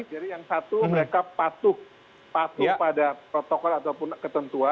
jadi yang satu mereka patuh pada protokol ataupun ketentuan